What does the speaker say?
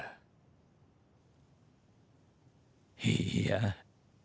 いいや？